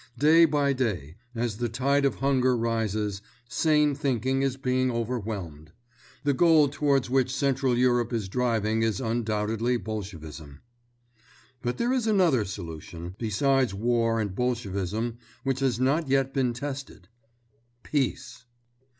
Day by day, as the tide of hunger rises, sane thinking is being overwhelmed. The goal towards which Central Europe is driving is undoubtedly Bolshevism. But there is another solution, besides war and Bolshevism, which has not yet been tested—peace.